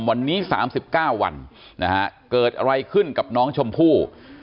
วันนี้๓๙วันเกิดอะไรขึ้นกับน้องชมพู่